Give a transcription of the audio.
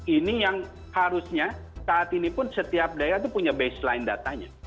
ini yang harusnya saat ini pun setiap daerah itu punya baseline datanya